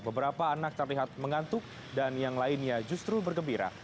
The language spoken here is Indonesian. beberapa anak terlihat mengantuk dan yang lainnya justru bergembira